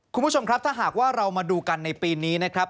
คุณผู้ชมครับถ้าหากว่าเรามาดูกันในปีนี้นะครับ